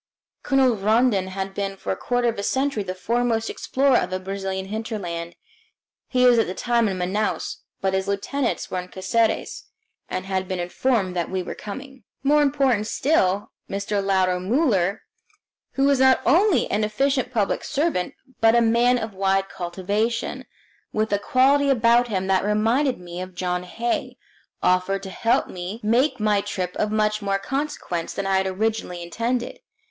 Colonel Rondon has been for a quarter of a century the foremost explorer of the Brazilian hinterland. He was at the time in Manaos, but his lieutenants were in Caceres and had been notified that we were coming. More important still, Mr. Lauro Muller who is not only an efficient public servant but a man of wide cultivation, with a quality about him that reminded me of John Hay offered to help me make my trip of much more consequence than I had originally intended.